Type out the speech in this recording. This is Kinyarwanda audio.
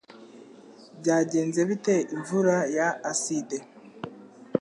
Byagenze bite imvura ya aside